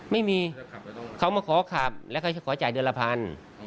ไม่มีเขามาขอขับแล้วเขาจะขอจ่ายเดือนละพัน